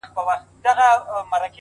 زما ځواني دي ستا د زلفو ښامارونه وخوري ـ